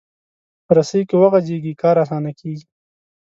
رسۍ که وغځېږي، کار اسانه کېږي.